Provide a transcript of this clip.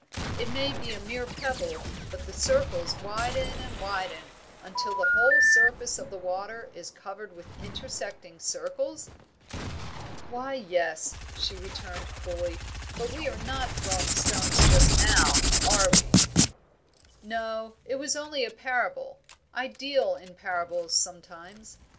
It may be a mere pebble, but the circles widen and widen until the whole surface of the water is covered with intersecting circles?" "Why, yes," she returned, coolly, "but we are not throwing stones just now, are we?" "No, it was only a parable; I deal in parables sometimes.